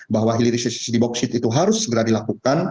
bahwa hilirisasi bau boksit itu harus segera dilakukan